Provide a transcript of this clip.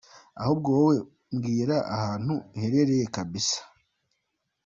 Ahubwo wowe mbwira ahantu uherereye kabisa.